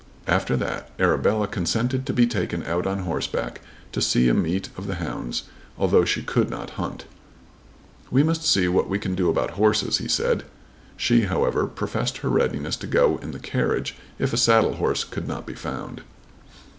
After that Arabella consented to be taken out on horseback to see a meet of the hounds although she could not hunt. "We must see what we can do about horses," he said. She however professed her readiness to go in the carriage if a saddle horse could not be found.